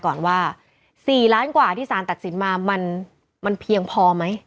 ก่อนว่า๔ล้านกว่าที่สารตัดสินมามันเพียงพอไหม